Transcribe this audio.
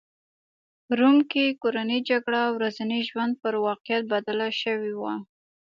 په روم کې کورنۍ جګړه ورځني ژوند پر واقعیت بدله شوې وه